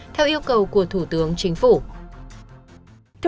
theo yêu cầu của thủ tướng chính phủ